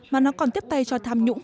mà nó còn tiếp tay cho tham nhũng